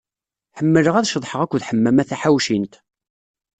Ḥemmleɣ ad ceḍḥeɣ akked Ḥemmama Taḥawcint.